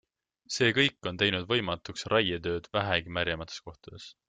See kõik on teinud võimatuks raietööd vähegi märjemates kohtades.